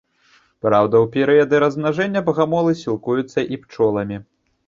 Праўда, у перыяды размнажэння багамолы сілкуюцца і пчоламі.